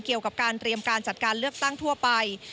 เกี่ยวกับการเตรียมการจัดการเลือกตั้งทั่วไป